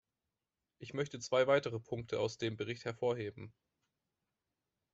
Ich möchte zwei weitere Punkte aus dem Bericht hervorheben.